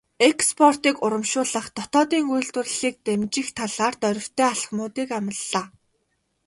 Экспортыг урамшуулах, дотоодын үйлдвэрлэлийг дэмжих талаар дорвитой алхмуудыг амлалаа.